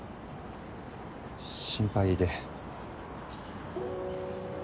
心配で。